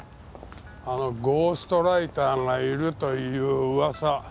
あのゴーストライターがいるという噂。